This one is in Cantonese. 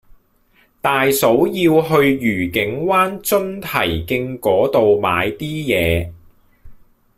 大嫂要去愉景灣津堤徑嗰度買啲嘢